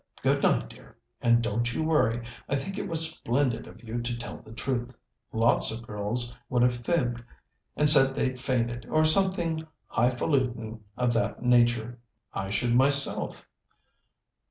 Good night, dear, and don't you worry. I think it was splendid of you to tell the truth. Lots of girls would have fibbed, and said they'd fainted, or something highfaluting of that nature. I should myself."